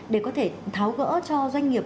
để có thể tháo gỡ cho doanh nghiệp